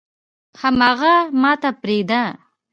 حم اغه ماته پرېده.